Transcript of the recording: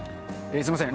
すみません。